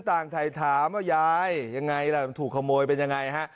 ต่างถ่ายถามว่ายายยังไงล่ะมันถูกขโมยเป็นยังไงฮะ